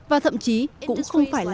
và thậm chí cũng không thể giải quyết